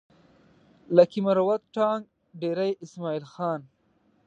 لکي مروت ټانک ډېره اسماعيل خان